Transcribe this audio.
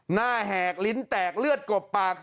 แหกลิ้นแตกเลือดกบปาก